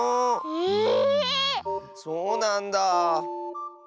ええっ⁉そうなんだあ。